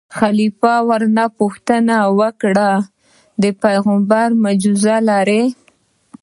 خلیفه ورنه پوښتنه وکړه: د پېغمبرۍ معجزه لرې.